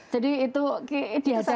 jadi itu diajarkan